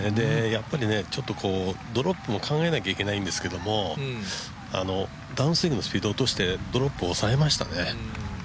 やっぱりね、ドロップも考えないといけないんですけどダウンスイングのスピードを落としてドロップを落としましたね。